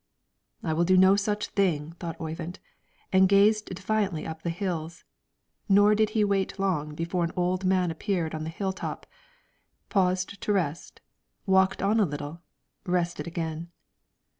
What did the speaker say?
"I will do no such thing," thought Oyvind; and gazed defiantly up the hills. Nor did he wait long before an old man appeared on the hill top, paused to rest, walked on a little, rested again.